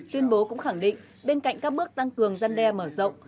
tuyên bố cũng khẳng định bên cạnh các bước tăng cường dân đe mở rộng